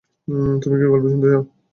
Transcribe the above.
তুমি কি গল্প শুনতে চাও, ছেলে?